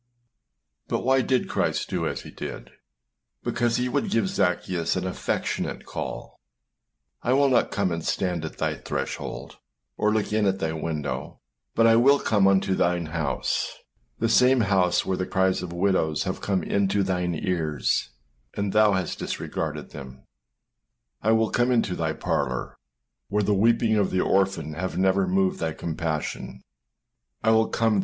But why did Christ do as he did? Because he would give Zaccheus an affectionate call. âI will not come and stand at thy threshold, or look in at thy window, but I will come into thine house â the same house where the cries of widows have come into thine ears, and thou hast disregarded them; I will come into thy parlour, where the weeping of the orphan have never moved thy compassion; I will come there, 324 ClassicChristianLibrary.